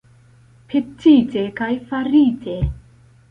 Petite kaj farite!